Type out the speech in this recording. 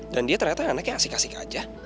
dan dia ternyata anaknya asik asik aja